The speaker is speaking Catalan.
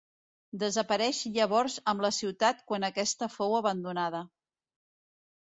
Desapareix llavors amb la ciutat quan aquesta fou abandonada.